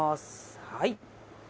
はい。